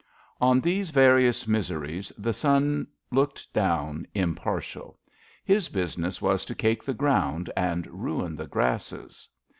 On these various mis eries the sun looked down impartial. His busi ness was to cake the ground and ruin the grasses.